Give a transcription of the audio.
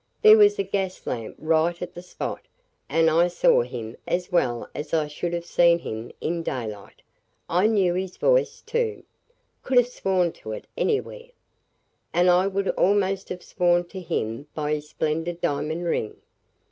There was a gas lamp right at the spot, and I saw him as well as I should have seen him in daylight. I knew his voice, too; could have sworn to it anywhere; and I would almost have sworn to him by his splendid diamond ring.